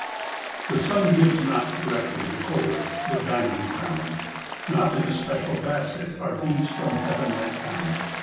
The sun gives not directly The coal, the diamond crown; Not in a special basket Are these from Heaven let down.